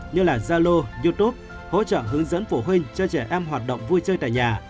như zalo youtube hỗ trợ hướng dẫn phụ huynh cho trẻ em hoạt động vui chơi tại nhà